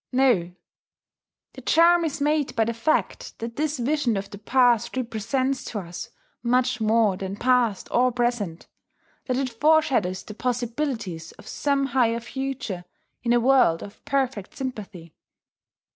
No: the charm is made by the fact that this vision of the past represents to us much more than past or present, that it foreshadows the possibilities of some higher future, in a world of Perfect sympathy.